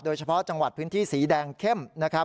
โดยเฉพาะจังหวัดพื้นที่สีแดงเข้ม